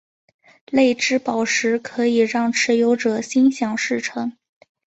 泪之宝石可以让持有者心想事成。